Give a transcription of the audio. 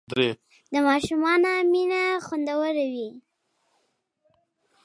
د ماشومانو مینه خوندور وي.